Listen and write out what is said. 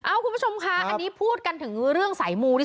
คุณผู้ชมคะอันนี้พูดกันถึงเรื่องสายมู